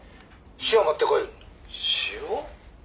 塩？